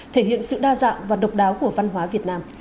thể hiện sự đa dạng và độc đáo của văn hóa việt nam